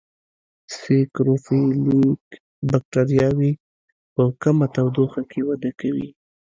سیکروفیلیک بکټریاوې په کمه تودوخه کې وده کوي.